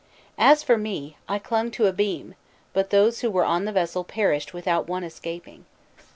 As for me, I clung to a beam, but those who were on the vessel perished without one escaping.